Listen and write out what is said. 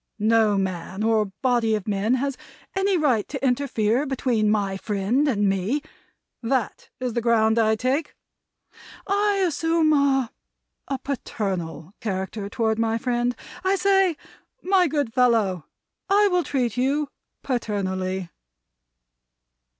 No man or body of men has any right to interfere between my friend and me. That is the ground I take. I assume a a paternal character toward my friend. I say, 'My good fellow, I will treat you paternally.'"